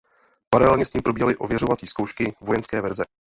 Paralelně s tím probíhaly ověřovací zkoušky vojenské verze.